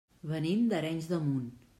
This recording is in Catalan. Venim d'Arenys de Munt.